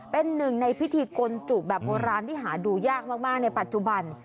เป็นหนึ่งในพิธีกลจุแบบโบราณที่หาดูยากมากในปัจจุบัน